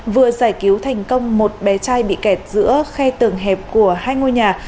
vừa giải cứu thành công một bé trai bị kẹt giữa khe tầng hẹp của hai ngôi nhà